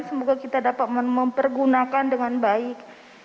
semoga kita dapat mempergunakan dengan baik